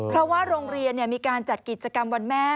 เพราะว่าโรงเรียนมีการจัดกิจกรรมวันแม่